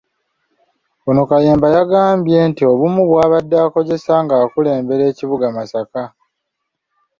Ono Kayemba yagambye nti obumu bw'abadde akozesa ng'akulembera ekibuga Masaka.